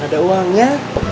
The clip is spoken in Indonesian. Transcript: gak ada uangnya